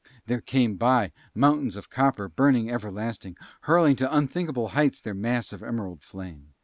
There came by mountains of copper burning everlasting, hurling up to unthinkable heights their mass of emerald flame.